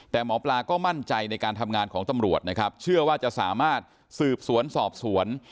แต่หมอปลาก็มั่นใจในการทำงานของตำรวจนะครับเชื่อว่าจะสามารถสืบสวนสอบสวน